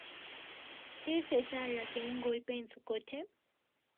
es esa a la que un golpe en su coche